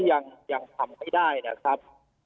ยังทำไม่ได้นะครับ